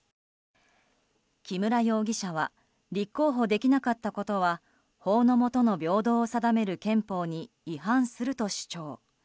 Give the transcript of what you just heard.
木村容疑者は立候補できなかったことは法の下の平等を定める憲法に違反すると主張。